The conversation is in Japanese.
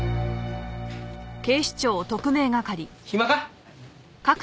暇か？